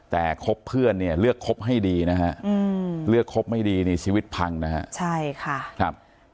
แต่คบเพื่อนเลือกคบให้ดีนะฮะเลือกคบให้ดีในชีวิตพังนะฮะ